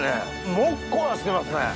もっこしてますね。